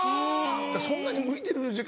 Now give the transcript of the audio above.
そんなにむいてる時間。